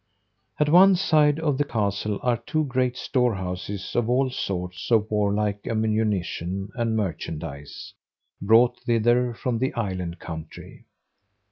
At one side of the castle are two great storehouses of all sorts of warlike ammunition and merchandise, brought thither from the island country.